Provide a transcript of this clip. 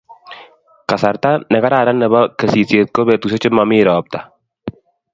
Kasarta ne kararan nebo kesisishet ko petushek che mami ropta